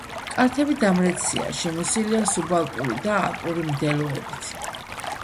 კალთები დამრეცია, შემოსილია სუბალპური და ალპური მდელოებით.